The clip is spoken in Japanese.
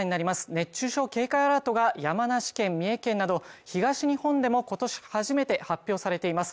熱中症警戒アラートが山梨県、三重県など東日本でも今年初めて発表されています。